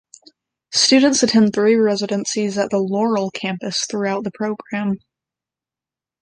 Students attend three residencies at the Laurel campus throughout the program.